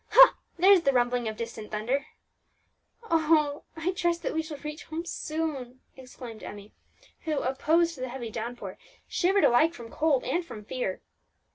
Ha! there's the rumbling of distant thunder!" "Oh! I trust that we shall reach home soon," exclaimed Emmie, who, exposed to the heavy downpour, shivered alike from cold and from fear.